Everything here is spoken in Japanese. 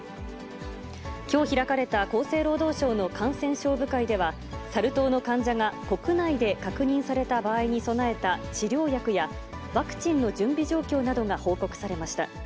きょう開かれた厚生労働省の感染症部会では、サル痘の患者が国内で確認された場合に備えた治療薬や、ワクチンの準備状況などが報告されました。